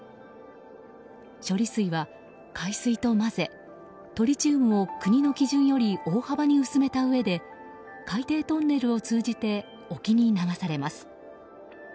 処理水は海水と混ぜトリチウムを国の基準より大幅に薄めたうえで海底トンネルを通じて沖に流されます。